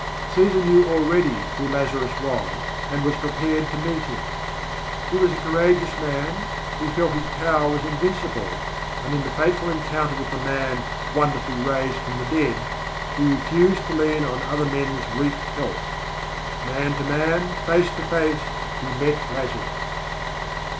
Caesar knew already who Lazarus was, and was prepared to meet him. He was a courageous man; he felt his power was invincible, and in the fateful encounter with the man "wonderfully raised from the dead" he refused to lean on other men's weak help. Man to man, face to face, he met Lazarus.